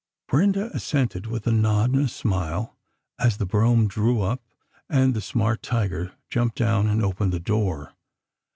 Brenda assented with a nod and a smile, as the brougham drew up and the smart tiger jumped down and opened the door.